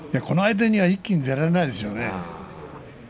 この相手には一気に出られないですよね。